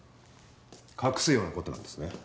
隠すような事なんですね。